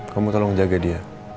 kamu tolong jaga dia